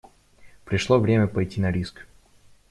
Пришло время пойти на риск.